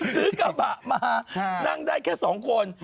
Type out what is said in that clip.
ซื้อกระบะมานั่งได้แค่๒คน